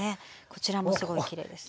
こちらもすごいきれいですね。